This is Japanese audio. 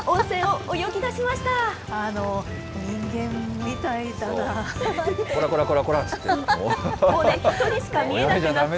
人間みたいだなって。